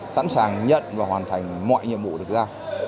sẵn sàng nhận và hoàn thành mọi nhiệm vụ được giao